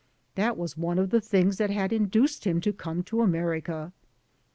That was one of the things that had induced him to come to America.